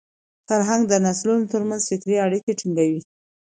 فرهنګ د نسلونو تر منځ فکري اړیکه ټینګوي.